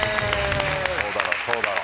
そうだろうそうだろう。